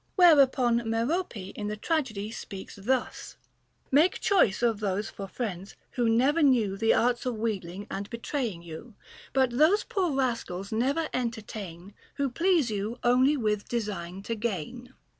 Whereupon Merope in the tragedy speaks thus : Make choice of tliose for friends, who never knew The arts of wheedling and betraying you; But those poor rascals never entertain, Who please you only with design to gain.